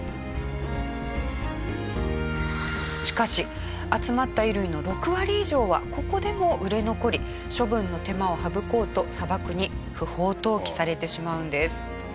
しかし集まった衣類の６割以上はここでも売れ残り処分の手間を省こうと砂漠に不法投棄されてしまうんです。